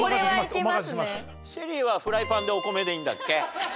ＳＨＥＬＬＹはフライパンでお米でいいんだっけ？